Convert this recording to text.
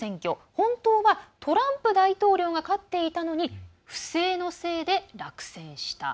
本当はトランプ大統領が勝っていたのに不正のせいで落選した。